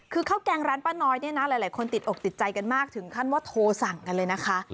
คือข้าวแกงร้านป้าน้อยเนี่ยนะหลายคนติดอกติดใจกันมากถึงขั้นว่าโทรสั่งกันเลยนะคะ